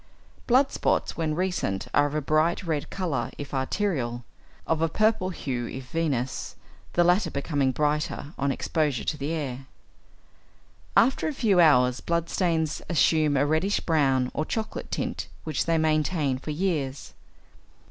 Blood spots when recent are of a bright red colour if arterial, of a purple hue if venous, the latter becoming brighter on exposure to the air. After a few hours blood stains assume a reddish brown or chocolate tint, which they maintain for years.